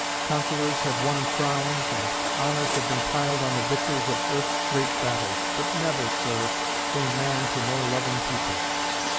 Conquerors have won crowns, and honors have been piled on the victors of earth's great battles, but never, sir, came man to more loving people.